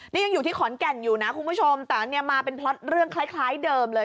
นี่ยังอยู่ที่ขอนแก่นอยู่นะคุณผู้ชมแต่เนี่ยมาเป็นพล็อตเรื่องคล้ายเดิมเลย